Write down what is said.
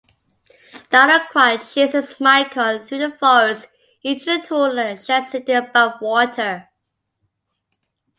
Dinocroc chases Michael through the forest into a tool shed sitting above water.